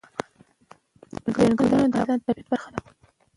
چنګلونه د افغانستان د طبیعت برخه ده.